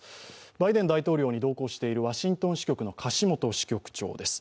バイデン大統領に同行しているワシントン支局の樫元支局長です。